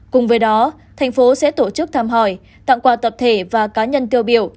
cùng với đó thành phố sẽ tổ chức thăm hỏi tặng quà tập thể và cá nhân tiêu biểu